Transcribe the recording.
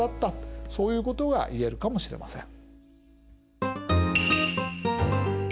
そういうことが言えるかもしれません。